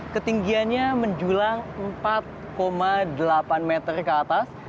ketinggiannya menjulang empat delapan meter ke atas